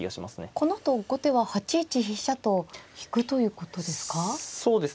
このあと後手は８一飛車と引くということですか？